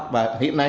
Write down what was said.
và hiện nay